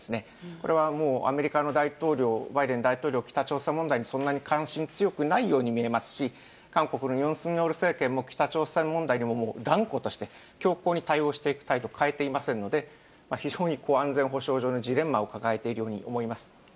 これはもう、アメリカの大統領、バイデン大統領、北朝鮮問題にそんなに関心強くないように見えますし、韓国のユン・ソンニョル政権も、北朝鮮問題にも断固として、きょうこうに対応していく態度変えていませんので、非常に安全保障上のジレンマを抱えているように思います。